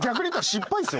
失敗です